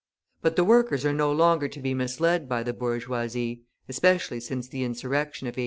But the workers are no longer to be misled by the bourgeoisie, especially since the insurrection of 1842.